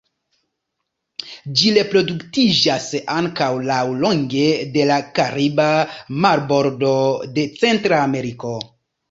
Ĝi reproduktiĝas ankaŭ laŭlonge de la kariba marbordo de Centra Ameriko.